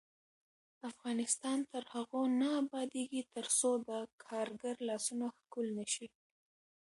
افغانستان تر هغو نه ابادیږي، ترڅو د کارګر لاسونه ښکل نشي.